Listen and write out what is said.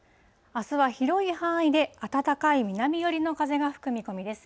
あすは広い範囲で暖かい南寄りの風が吹く見込みです。